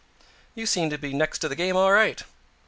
"You seem to be next to the game all right."